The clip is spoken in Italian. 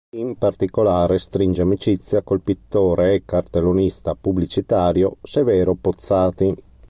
In particolare stringe amicizia col pittore e cartellonista pubblicitario Severo Pozzati.